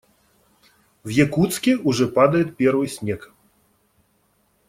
В Якутске уже падает первый снег.